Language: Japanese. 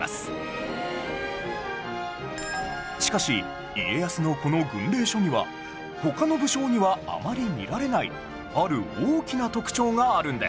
しかし家康のこの軍令書には他の武将にはあまり見られないある大きな特徴があるんです